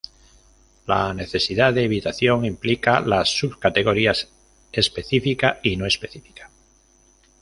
La necesidad de evitación implica las subcategorías específica y no específica.